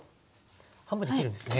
半分に切るんですね。